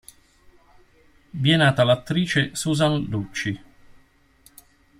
Vi è nata l'attrice Susan Lucci.